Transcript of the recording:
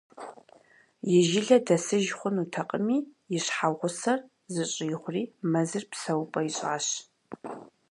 И жылэ дэсыж хъунутэкъыми, и щхьэгъусэр зыщӏигъури, мэзыр псэупӏэ ищӏащ.